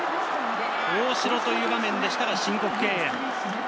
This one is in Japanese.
大城という場面でしたが申告敬遠。